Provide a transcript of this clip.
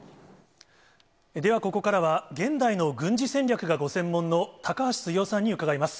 ではここからは、現代の軍事戦略がご専門の、高橋杉雄さんに伺います。